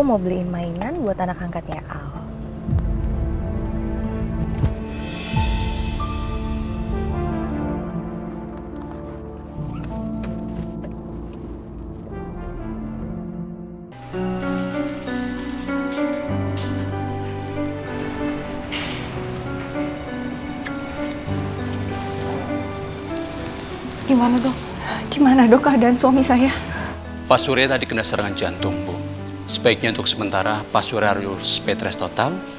hai gimana dong gimana dokah dan suami saya pashurita dikenal serangan jantung sebaiknya untuk sementara pasuareus petres total